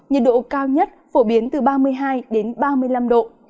nhiệt độ cao nhất phổ biến từ ba mươi hai đến ba mươi năm độ